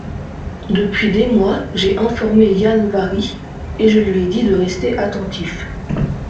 Depuis des mois j’ai informé Yann-Vari, et je lui ai dit de rester attentif.